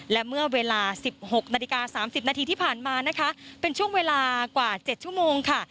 และเมื่อเวลา๑๖นาฬิกา๓๐นาทีที่ผ่านมานะคะเป็นช่วงเวลากว่า๗ชั่วโมงค่ะ